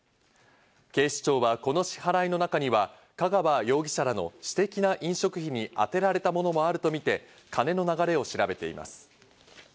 警視庁はこの支払いの中には香川容疑者らの私的な飲食費にあてられたものもあるとみて、カネの流れを調べています。